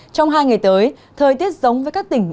trong hai ngày tới thời tiết giống với các tỉnh